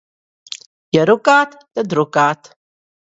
Ja rukāt, tad rukāt.